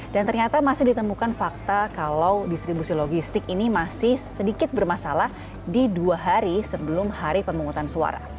dan ternyata masih ditemukan fakta kalau distribusi logistik ini masih sedikit bermasalah di dua hari sebelum hari pemungutan suara